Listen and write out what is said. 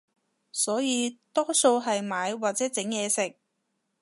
所以多數係買或者整嘢食